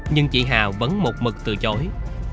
nhưng chị hà vẫn một mực từ chối